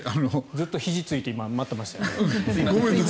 ずっとひじついて待ってましたよね。